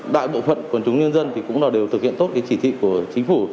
đại bộ phận quần chúng nhân dân cũng đều thực hiện tốt chỉ thị của chính phủ